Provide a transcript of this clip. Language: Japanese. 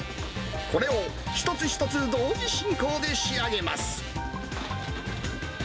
これを一つ一つ同時進行で仕上げます。